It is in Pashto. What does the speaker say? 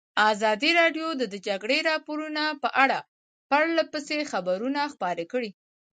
ازادي راډیو د د جګړې راپورونه په اړه پرله پسې خبرونه خپاره کړي.